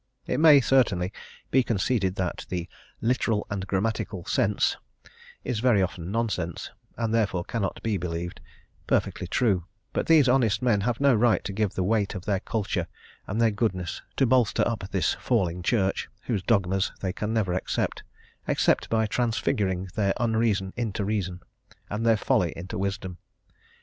It may, certainly, be conceded that the "literal and grammatical sense" is very often nonsense, and therefore cannot be believed; perfectly true: but these honest men have no right to give the weight of their culture and their goodness to bolster up this falling Church, whose dogmas they can never accept, except by transfiguring their unreason into reason, and their folly into wisdom.